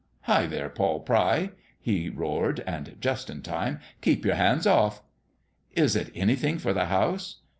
Hi, there, Poll Pry !" he roared, and just in time ;" keep your hands off." " Is it anything for the house